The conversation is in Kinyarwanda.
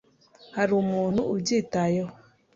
hari umuntu ubyitayeho